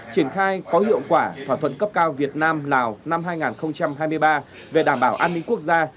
triển khai có hiệu quả thỏa thuận cấp cao việt nam lào năm hai nghìn hai mươi ba về đảm bảo an ninh quốc gia